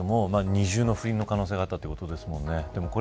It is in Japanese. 二重の不倫の可能性があったということですもんね。